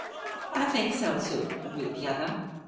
"I think so too," agreed the other.